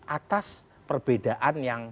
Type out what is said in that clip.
atas perbedaan yang